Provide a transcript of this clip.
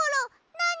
なに？